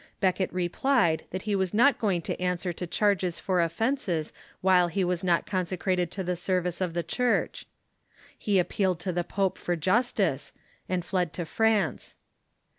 Becket replied that he was not going to answer to charges for offences while he was not consecrated to the service of the Church. He appealed to the pope for justice, and fled to France.